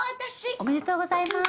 おめでとうございます。